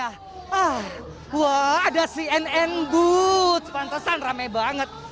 ah wah ada cnn good pantasan rame banget